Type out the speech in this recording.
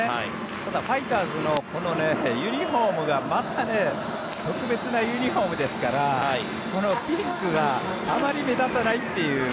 ただ、ファイターズのこのユニホームがまた特別なユニホームですからこのピンクがあまり目立たないという。